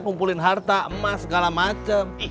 kumpulin harta emas segala macam